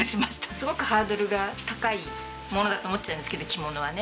すごくハードルが高いものだと思っちゃうんですけど着物はね。